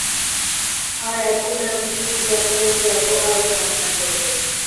আর এখন আমি সিয়াটল যাবো আর গান বাজাবো।